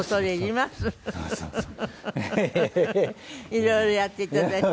いろいろやっていただいて。